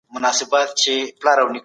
موږ کله کار پيل کوو؟